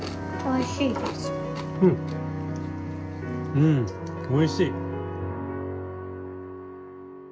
うんおいしい。